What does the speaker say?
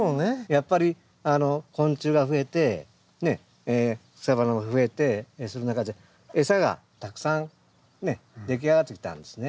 やっぱり昆虫がふえて草花もふえてその中でエサがたくさん出来上がってきたんですね。